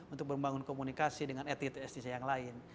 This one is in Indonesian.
untuk membangun komunikasi dengan etik etik yang lain